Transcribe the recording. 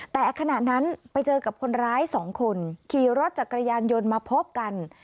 แต่ขณะนั้นไปเจอกับคนร้ายสองคนขี่รถจักรยานยนต์มาพบกัน